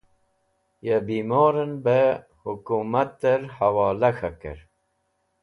Ya bimorẽn bẽ hũkmatẽr hẽwola k̃hakẽr.